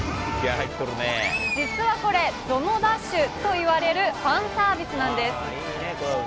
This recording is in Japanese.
実はこれ、ゾノダッシュといわれるファンサービスなんです。